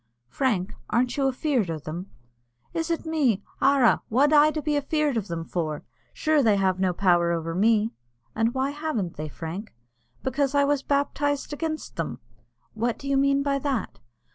"Frank, arn't you afeard o' them?" "Is it me! Arra, what ud' I be afeard o' them for? Sure they have no power over me." "And why haven't they, Frank?" "Because I was baptized against them." "What do you mean by that?"